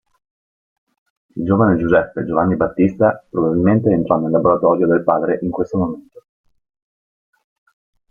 Il giovane Giuseppe Giovanni Battista probabilmente entrò nel laboratorio del padre in questo momento.